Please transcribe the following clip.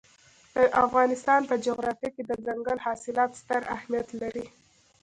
د افغانستان په جغرافیه کې دځنګل حاصلات ستر اهمیت لري.